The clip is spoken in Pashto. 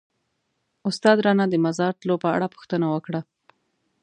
استاد رانه د مزار تلو په اړه پوښتنه وکړه.